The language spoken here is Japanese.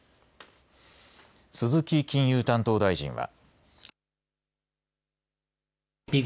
鈴木金融担当大臣は。